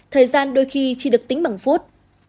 thời gian đôi khi chỉ được tính bằng phút